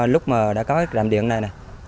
lúc mà đã có cái rạm điện này